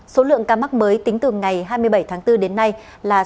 số lượng ca mắc mới tính từ ngày hai mươi bảy tháng bốn đến nay là sáu năm trăm chín mươi năm ca